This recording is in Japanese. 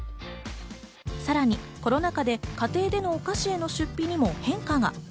さらにコロナ禍で家庭でもお菓子への出費に変化が。